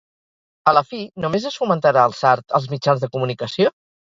A la fi, només es fomentarà el sard als mitjans de comunicació?